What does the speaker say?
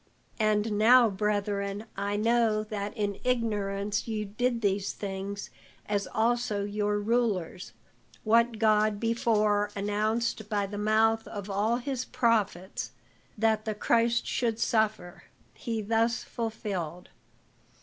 And now, brethren, I know that in ignorance ye did these things, as also your rulers; what God before announced by the mouth of all his prophets that the Christ should suffer, he thus fulfilled.